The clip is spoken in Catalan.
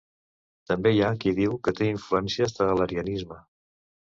També hi ha que diu que té influències de l'arianisme.